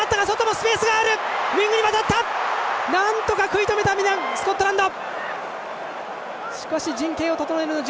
なんとか食い止めたスコットランド！